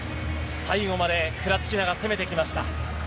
最後までクラチキナが攻めてきました。